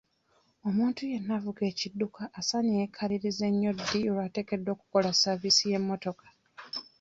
Omuntu yenna avuga ekidduka asaanye yeekalirize nnyo ddi lw'ateekeddwa okukola saaviisi y'emmotoka?